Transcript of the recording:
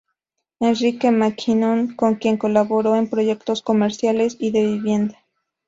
Enrique MacKinnon, con quien colaboró en proyectos comerciales y de vivienda.